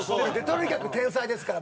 とにかく天才ですから。